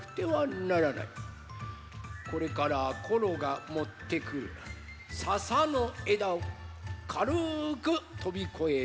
これからコロがもってくるささのえだをかるくとびこえるのじゃ。